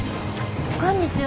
こんにちは。